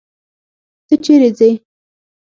ته چيري ځې؟